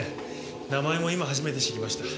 名前も今初めて知りました。